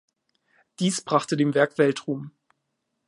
Dies brachte dem Werk Weltruhm.